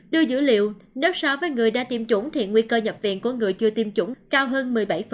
đưa dữ liệu nếu so với người đã tiêm chủng thì nguy cơ nhập viện của người chưa tiêm chủng cao hơn một mươi bảy